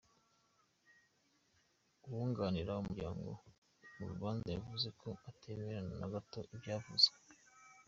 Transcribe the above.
Uwunganira umuryango mu rubanza yavuze ko atemera na gato ivyavuzwe.